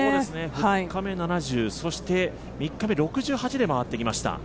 ２日目７０、３日目６８で回ってきました。